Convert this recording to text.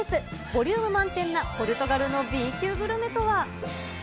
ボリューム満点なポルトガルのＢ級グルメとは。